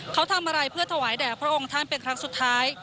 เขาทำอะไรเพื่อถวายแด่พระองค์ท่านเป็นครั้งสุดท้าย